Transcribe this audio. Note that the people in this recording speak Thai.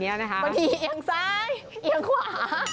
บางทีเอียงซ้ายเอียงขวา